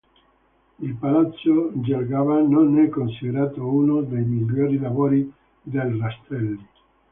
Il palazzo Jelgava non è considerato uno dei migliori lavori del Rastrelli.